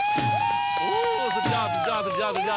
ติดตามในตลอดข่าวเช้านี้นะครับ